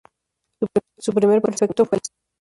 Su primer Prefecto fue el Sr.